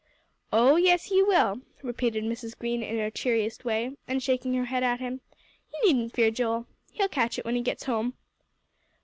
"Oh, yes, he will," repeated Mrs. Green, in her cheeriest way, and shaking her head at him. "You needn't fear, Joel, he'll catch it when he gets home."